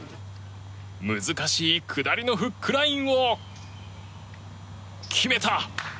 難しい下りのフックラインを決めた！